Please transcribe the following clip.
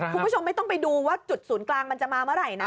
คุณผู้ชมไม่ต้องไปดูว่าจุดศูนย์กลางมันจะมาเมื่อไหร่นะ